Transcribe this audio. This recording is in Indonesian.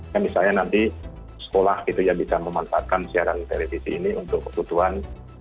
ya misalnya nanti sekolah gitu ya bisa memanfaatkan siaran televisi ini untuk kebutuhan